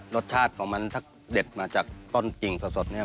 รสชาติของมันถ้าเด็ดมาจากต้นกิ่งสดเนี่ย